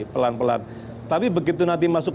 pelan pelan tapi begitu nanti masuk